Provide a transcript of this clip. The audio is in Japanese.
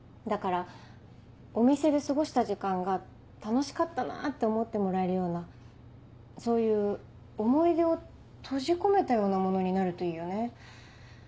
だからお店で過ごした時間が楽しかったなって思ってもらえるようなそういう思い出を閉じ込めたようなものになるといいよね。